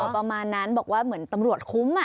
ประมาณนั้นบอกว่าเหมือนตำรวจคุ้ม